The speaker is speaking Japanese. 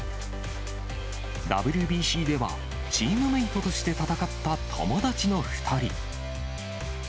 ＷＢＣでは、チームメートとして戦った友達の２人。